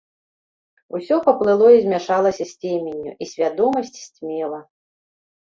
Усё паплыло і змяшалася з цеменню, і свядомасць сцьмела.